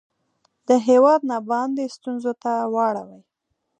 د هیواد نه باندې ستونځو ته واړوي